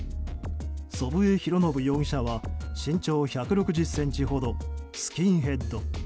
祖父江博伸容疑者は身長１６０ｃｍほどスキンヘッド。